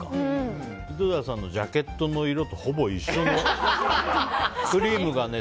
井戸田さんのジャケットの色とほぼ一緒のクリームがね